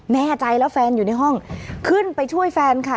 แน่ใจแล้วแฟนอยู่ในห้องขึ้นไปช่วยแฟนค่ะ